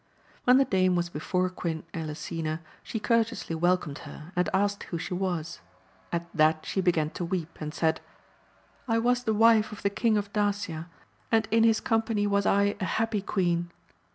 When the dame was before Queen Elisena, she courteously welcomed her, and asked who she was ; at that she began to weep, and said, I was the wife of the King of Dacia, and in his company was I a happy queen.